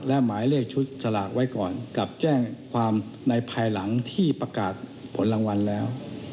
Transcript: และหมายเลขชุดสลากไว้ก่อนกับแจ้งความในภายหลังที่ประกาศผลรางวัลแล้ว